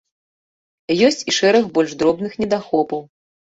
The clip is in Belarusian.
Ёсць і шэраг больш дробных недахопаў.